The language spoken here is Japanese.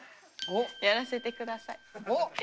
やらせて下さい。